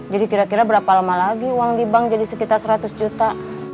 jadi kira kira berapa lama lagi uang di bank jadi sekitar seratus juta